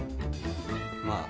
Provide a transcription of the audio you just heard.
まあ